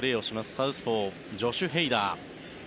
サウスポージョシュ・ヘイダー。